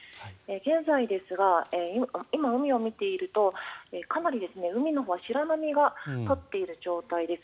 現在ですが今、海を見ているとかなり海のほうは白波が立っている状態です。